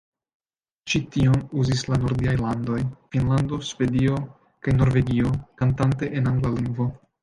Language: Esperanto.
Ĉi-tion uzis la nordiaj landoj Finnlando, Svedio kaj Norvegio, kantante en angla lingvo.